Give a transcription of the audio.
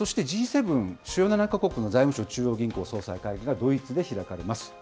そしてＧ７・主要７か国の財務相・中央銀行総裁会議がドイツで開かれます。